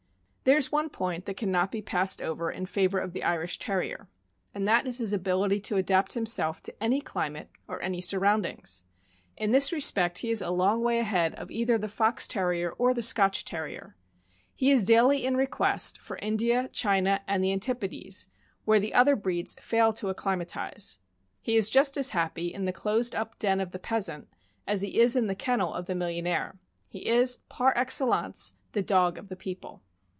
There is one point that can not be passed over in favor of the Irish Terrier, and that is his ability to adapt himself to any climate or any surroundings. In this respect, he is a long way ahead of either the Fox Terrier or the Scotch Terrier. He is daily in request for India, China, and the antipodes, where the other breeds fail to acclimatize. He is just as happy in the closed up den of the peasant as he is in the kennel of the millionaire. He is, par excellence, the dog of the people.